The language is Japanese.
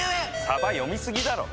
さば読みすぎだろ！